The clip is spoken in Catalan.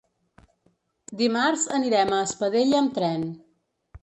Dimarts anirem a Espadella amb tren.